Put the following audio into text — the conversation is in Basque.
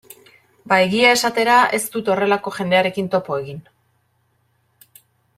Ba, egia esatera, ez dut horrelako jendearekin topo egin.